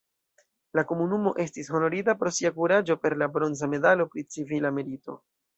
La komunumo estis honorita pro sia kuraĝo per la bronza medalo pri civila merito.